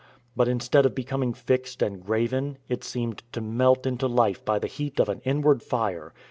But instead of becoming fixed and graven, it seemed to melt into life by the heat of an inward fire.